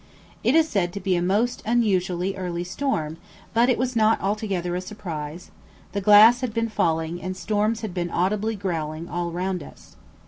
It is said to be a most unusually early storm, but it was not altogether a surprise: the glass had been falling and storms had been audibly growling all round us.